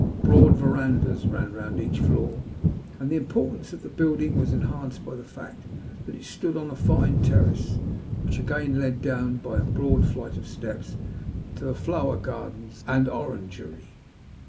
Broad verandahs ran round each floor, and the importance of the building was enhanced by the fact that it stood on a fine terrace, which again led down by a broad flight of steps to the flower gardens and orangery.